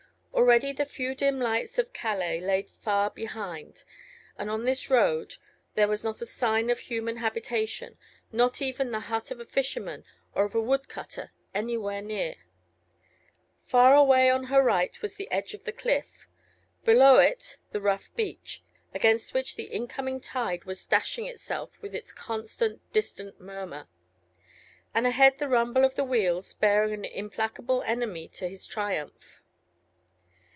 Already the few dim lights of Calais lay far behind, and on this road there was not a sign of human habitation, not even the hut of a fisherman or of a woodcutter anywhere near; far away on her right was the edge of the cliff, below it the rough beach, against which the incoming tide was dashing itself with its constant, distant murmur. And ahead the rumble of the wheels, bearing an implacable enemy to his triumph.